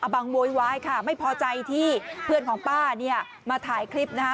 บังโวยวายค่ะไม่พอใจที่เพื่อนของป้าเนี่ยมาถ่ายคลิปนะคะ